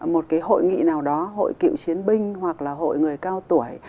một cái hội nghị nào đó hội cựu chiến binh hoặc là hội người cao tuổi